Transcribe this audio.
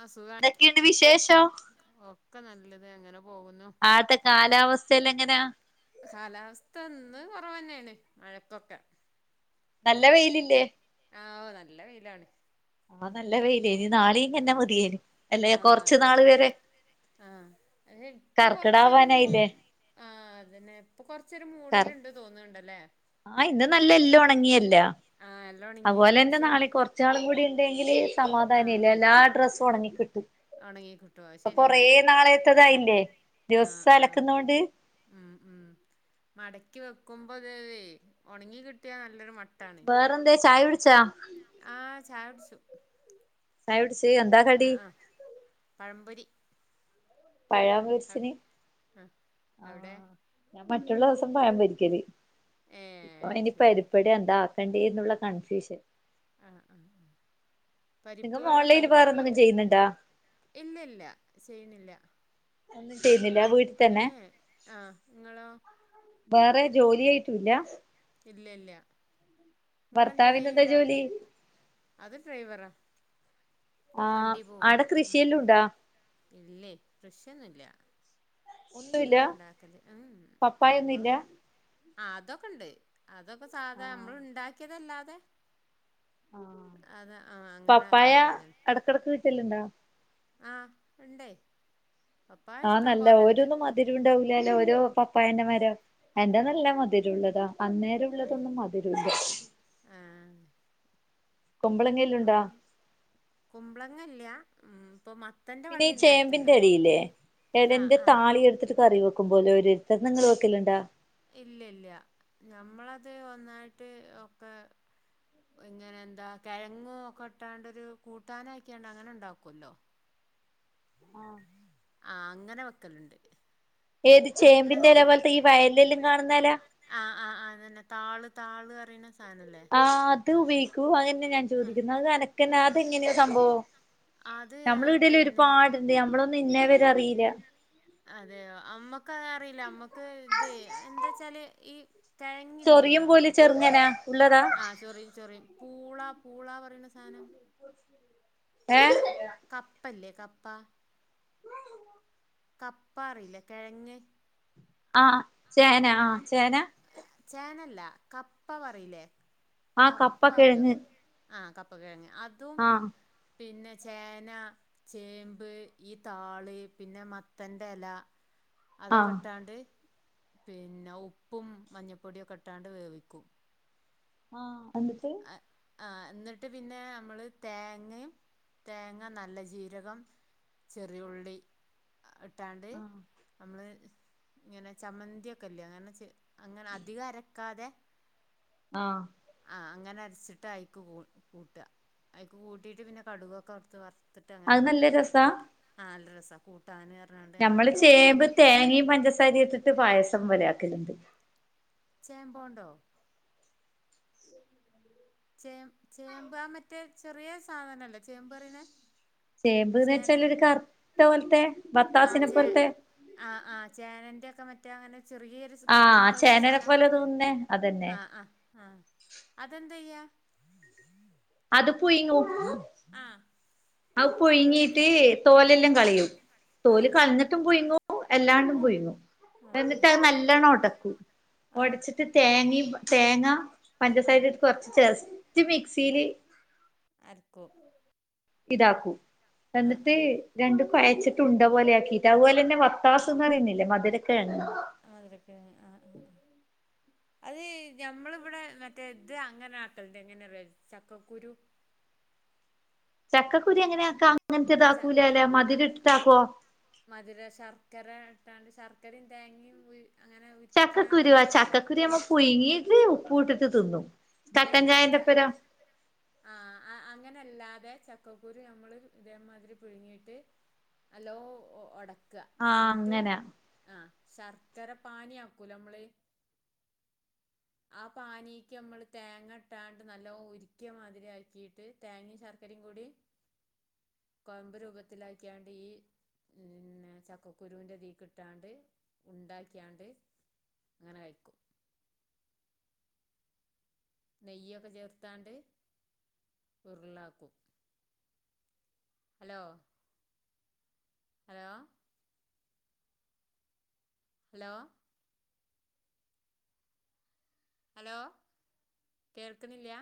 ആ സുഖാ എന്തൊക്കെയുണ്ട് വിശേഷം? ഒക്കെ നല്ലത് ങ്ങനെ പോകുന്നു ആടത്തെ കാലാവസ്ഥല്ലൊങ്ങനാ കാലാവസ്ഥന്ന് കുറവെന്നെണ് മഴക്കൊക്കെ നല്ല വെയിലില്ലെ ആ ഓ നല്ല വെയിലാണ് ആ നല്ല വെയിലേനി നാളീങ്ങന്നെ മതിയേന് അല്ലെ കൊറച്ചു നാള് വരെ ആഹ് അ ഇപ്പൊ കൊറച്ചൊരു മൂ കർക്കിടാവാനായില്ലേ ആ അതെന്നെ ഇപ്പൊ കൊറച്ചൊരു മൂടലുണ്ട് തോന്നുണ്ടലെ ആഹ് ഇന്ന് നല്ല എല്ലാം ഉണങ്ങിയല്ലോ ആ എല്ലാം ഉണങ്ങിക്കണ് അതുപോലെന്നെ പക്ഷെ നാളെ കൊറച്ച് ച്ചാളുകൂടി ഉണ്ടെങ്കില് ആ സമാധാനം ആയി നി ആ എല്ലാ ഡ്രസ്സും ഉണങ്ങി കിട്ടും ഉണങ്ങി കിട്ടും അത് അപ്പം ശരി കൊറേ തന്നെയാണ് നാളേത്തതായില്ലേ ആ ദിവസം ആ അലക്കുന്നൊണ്ട് ഉം ഉം മടക്കി വെക്കുമ്പോ അത് തേ ഉണങ്ങി കിട്ടിയാ നല്ലൊരു മട്ട ട്ടാണ്. ഇങ്ങള് ചായ കുടിച്ചാ? ആ ചായൊടിച്ചു ചായോടിച്ച് ആഹ് ആഹ് പഴമ്പൊരി പഴാ പൊരിച്ചിന് ആഹ് അവിടെ പറ്റണദിവസം പയം പൊരിക്കല് ഇപ്പ ഏഹ് ഓനിനി ശരി പരിപ്പെടെ എന്താ എന്തേയ്യുന്നുള്ള കൺഫ്യൂഷൻ ആഹ് ആ ആ പരിപ്പ് നിങ്ങ വട ഓൺലൈനിൽ വേറെ പരിപ്പ് എന്തെങ്കിലും കുതിർ ചെയ്യുന്നുണ്ടാ ഇല്ല ഇല്ല ചെയ്യ്ണില്ല ഒന്നും ചെയ്യുന്നില്ല വീട്ടിൽ ഏ തന്നെ ഏഹ് ഇങ്ങളോ പറി ജോലിയായിട്ടുംല്ല ഇല്ലല്ല ഇങ്ങെളെന്തേം ഭർത്താവിന് എന്താ ചെയ്യ്ണ്ടോ ജോലി അത് ഫൈവറ ആ ആടെ ഉം. കൃഷിയെല്ലോം ഉണ്ടോ ഇല്ലേ കൃഷിന്നുംല്ല ഒന്നുമില്ല ഇണ്ടാക്കല് ഉ ഉം പപ്പായ ഒന്നുമില്ല അമ്മളിങ്ങനെ ആ അതൊക്കെ ഇണ്ട് അതൊക്കെ ആ സാധാ അമ്മള് ഇണ്ടാക്കിയതല്ലാതെ ആ അത് ആഹ് അങ്ങനെ ഇണ്ടായതാണ് കിടക്ക് വിത്തല്ലുണ്ടോ ആഹ് ഇണ്ടേ പപ്പായ ആ ഇഷ്ടം നല്ല പോലെണ്ട് ഓരോന്നും മധുരം ഉണ്ടാവൂലല്ലോ ഓരോ പപ്പായന്റെമരം എന്റെ നല്ല മധുരംള്ളതാ അന്നേരം ഉള്ളതൊന്നും മതിരുല്ല ആഹ് കുമ്പളേങ്ങൽ പ കുമ്പളങ്ങൽയ്യ ഉംഇപ്പൊ മത്ത പിന്നെ ഈ ചേമ്പിന്റെ ഇലയില്ലേ ആഹ് ഇലന്റെ ആഹ് താളി എടുത്തിട്ട റി വെക്കും പോലെ ഒരു തന്ന നങ്ങൾ വെക്കലുണ്ടാ? ഇല്ലല്ല നഞമ്മളത് ഒന്നായിട്ട് ഒക്കെ ഇങ്ങനെ എന്താ കിഴങ്ങും ഒക്കെ ഇട്ടാണ്ട് ഒരു കൂട്ടാന ആക്കിയാണ്ട് അങ്ങനെ ഉണ്ടാക്കല്ലോ? ആഹ ആ അങ്ങനെ വെക്കലുണ്ട് ഏത് ചേമ്പിന്റെല്ലേ ഉള്ളതൊക്കെ പോലത്തെ ഈ വയലിലെല്ലാം കാണുന്ന എലാ ആഹ് ആ അതെന്നെ താള് താള് അറിയ്ണെ ആഹ് അത് ഉപയോഗിക്കൂ അതെന്നെ ഞാൻ ആ ചോദിക്കുന്നത് അതനക്കന്നെ ആ അതെങ്ങനെയ സംഭവോ അത് നമ്മളെ വീടെൽ പിന്നെ ഒരുപാടുണ്ട് നമ്മളൊന്നും ഇന്നെ വരെ അറിയിലാ അതെയോ അമ്മക്ക് അറിയില്ല അമ്മക്ക് ഇത് എന്താ വച്ചാല് ഈ ചൊറിയും കെഴങ്ങില്ലയാ പോലെ എന്താ പറയാ ചെറുങ്ങനാ ഉള്ളതാ ആ ചൊറി ചൊറി പൂള പൂളാ പറയുന്ന സാധനം ഏ കപ്പല്ലേ കപ്പ കപ്പ അറീലെ കെഴങ്ങ് ആ ചേന ആ ചേന ചേനല്ലാ കപ്പ പറയില്ലേ ആ കപ്പ അറിയോ കിഴങ്ങ് ആ കപ്പ കിഴങ്ങ് അതും ആ പിന്നെ ചേന ചേമ്പ് ഈ താള് പിന്നെ മത്തൻന്റെ എല ആ അതൊക്കെ ഇട്ടാണ്ട് പിന്നെ ഉപ്പും മഞ്ഞപ്പൊടിയൊക്കെ ഇട്ടാണ്ട് വേവിക്കും ആഹ് എന്നിട്ട് ആഹ എന്നിട്ട് പിന്നെ നമ്മള് തേങ്ങ തേങ്ങ നല്ല ജീരകം ചെറിയുള്ളി ഇട്ടാണ്ട് ആ നമ്മള് ഇങ്ങനെ ചമ്മന്തിക്കെല്ലേ അങ്ങനെ ചെ അങ്ങനെ അധികം അരക്കാതെ ആഹ് ആ അങ്ങന അരച്ചിട്ട് അയ്ക്ക് കൂട്ടുക അയക്ക് കൂട്ടിയിട്ട് പിന്നെ കടുകൊക്കെ വർത്ത് അയ് നല്ല രസാ ആഹ് നല്ലരസാ കൂട്ടാന് പർഞ്ഞാണ്ട് നമ്മള് ചേമ്പ് തേങ്ങയും പഞ്ചസാരയും ഇട്ടിട്ട് പായസം പോലെ ആക്കലുണ്ട്. ചേമ്പോണ്ടോ? ചേ ചേമ്പ് മറ്റേ ചെറിയ സാധനല്ലേ ചേമ്പ് അറിനെ ചേമ്പ്ന്ന് വെച്ചാല് ഒരു കറുത്ത പോലത്തെ ബത്താസിനെ പോലത്തെ ആഹ് ആ ചേനന്റെറെ ഒക്കെ മറ്റേ അങ്ങനെ ചെറിയൊരു കിഴങ്ങ് ആഹ് പോല്ത്തെ ചേനനെ സാദനംആ പോലെ തോന്നുന്നേ അതന്നെ ആ ആ അതെന്ത ചെയ്യാ? അത് പുയുങ്ങും ആഹ് ആ പുഴുങ്ങീട്ട് തോലെല്ലാം കളയും ആ തോല് കളഞ്ഞിട്ടും പുഴുങ്ങു എല്ലാണ്ടും ആ ആ പുഴുങ്ങു ആ എന്നിട്ട് അത് നല്ലോണം ഒടക്കും ആ ഒടച്ചി ട്ട് തേങ്ങ തേങ്ങ ആ ആ പഞ്ചസാര ഇട്ട് കൊറച്ച് ജെസ്റ്റ് മിക്സിയില് അരക്കും ഇതാക്കൂ ആ എന്നിട്ട് ആ രണ്ടും കുഴച്ചിട്ട് ഉണ്ട പോലെ ആക്കിയിട്ട് അതുപോലെ തന്നെ വത്താസന്ന് അറുന്നില്ല മധുരൊക്കെ കെഴങ് മധുരകെഴങ്ങ്‌ ആ ആ അത് ഞമ്മളിവിടെ മറ്റേ ഇത് അങ്ങനെ ആക്കല്ണ്ട് എങ്ങനെ റിയോ ചക്കക്കുരു ചക്കക്കുരുഎങ്ങനെയ ആക്ക അങ്ങനത്തെ ച ഇതാക്കൂലല്ലേ ആ മതിര ഇട്ടിട്ടാക്കുവോ മധുര ശർക്കര ഇട്ടാണ്ട് ശർക്കരയും തേങ്ങയും അങ്ങനെ ഉരിക്കാണ്ട്താക്കുല്ലേ പുയങ്ങിയിട്ട് ഉപ്പ് ഇട്ടിട്ട് തിന്നും ഏ കട്ടൻ ഏ ച ചായന്റെപ്പരം ആ അങ്ങനെല്ലാതെ ചക്കക്കുരു നമ്മള് ഇതേമാതിരി പിഴുങ്ങിട്ട് നല്ലോ ഒടക് ക്കുക ആ എന്നിട്ട് അങ്ങനാ ആ ശർക്കര പാനിയ ആക്കൂല നമ്മള് ആ പാനീക്ക് നമ്മള് തേങ്ങ ഇട്ടാണ്ട് നല്ല ഉര്ക്കിയ മാതിരി ആക്കിയിട്ട് തേങ്ങയും ശർക്കരയും കൂടി കോയമ്പ് രൂപത്തിലാക്കിയാണ്ട് ഈ പിന്നെ ചക്കക്കുരുവിന്റെ തീ കിട്ടാണ്ട് ഉണ്ടാക്കിയാണ്ട് അങ്ങനെ കഴിക്കും നെയ്യൊക്കെ ചേർത്താണ്ട് ഉരുളാക്കും ഹലോ ഹലോ ഹലോ ഹലോ കേൾക്കുന്നില്ല